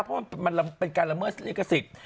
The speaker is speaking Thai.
เพราะมันเป็นการละเมิดลิขสิทธิ์